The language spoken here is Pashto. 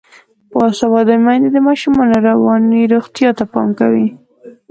باسواده میندې د ماشومانو رواني روغتیا ته پام کوي.